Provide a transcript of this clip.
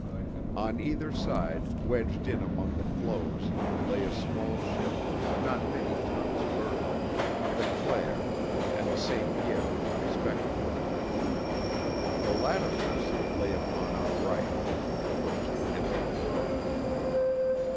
On either side, wedged in among the floes, lay a small ship of not many tons' burden the Claire and the Sainte Vierge respectively. The latter vessel lay upon our right as we approached the end of the wharf.